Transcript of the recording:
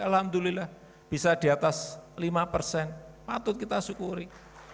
alhamdulillah bisa di atas lima persen patut kita syukuri